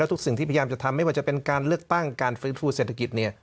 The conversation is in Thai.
ทุกสิ่งที่พยายามจะทำไม่ว่าจะเป็นการเลือกตั้งการฟื้นฟูเศรษฐกิจ